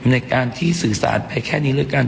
ในการที่สื่อสารไปแค่นี้ด้วยกัน